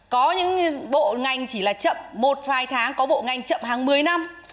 có những bộ ngành chỉ là chậm một vài tháng có bộ ngành chậm hàng một mươi năm